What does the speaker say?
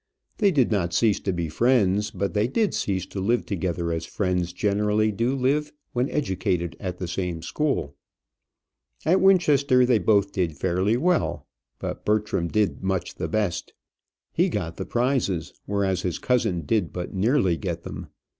They did not cease to be friends, but they did cease to live together as friends generally do live when educated at the same school. At Winchester they both did fairly well; but Bertram did much the best. He got the prizes, whereas his cousin did but nearly get them.